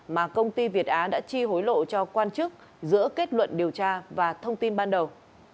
mà công ty việt á đã chi hối lộ cho quan chức giữa kết luận điều tra và thông tin ban đầu